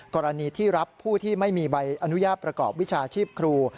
กรณีที่รับผู้ที่ไม่มีใบอนุญาตประกอบวิชาชีพครู